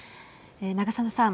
長砂さん。